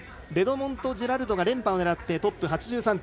レドモンド・ジェラルドが連覇を狙ってトップ８３．２５。